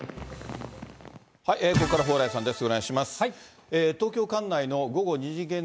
ここからは蓬莱さんです。